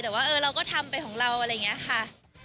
แต่ว่าเราก็ทำไปของเราอะไรอย่างนี้ค่ะ